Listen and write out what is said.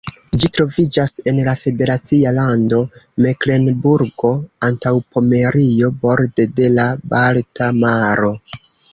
Ĝi troviĝas en la federacia lando Meklenburgo-Antaŭpomerio, borde de la Balta Maro.